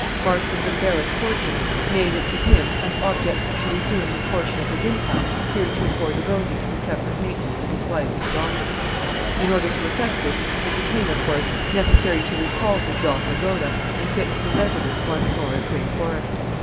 Marston's embarrassed fortunes made it to him an object to resume the portion of his income heretofore devoted to the separate maintenance of his wife and daughter. In order to effect this it became, of course, necessary to recall his daughter, Rhoda, and fix her residence once more at Gray Forest.